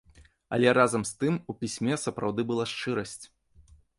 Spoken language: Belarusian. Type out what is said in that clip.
Але разам з тым у пісьме сапраўды была шчырасць.